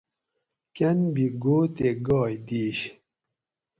کۤن بھی گو تے گائ دِیش